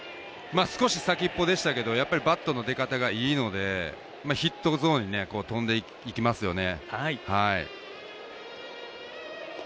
少し先っぽでしたけどバットの出方がいいのでヒットゾーンに飛んでいきますよね。